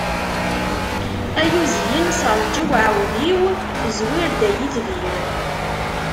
Ay uzyin serǧ i uɛudiw, zwir-d ay itbir.